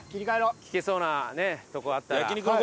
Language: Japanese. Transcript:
聞けそうなとこあったら。